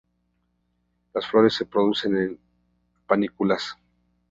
Las flores se producen an panículas.